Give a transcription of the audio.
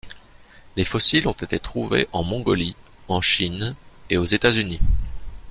Les fossiles ont été trouvés en Mongolie, en Chine et aux États-Unis.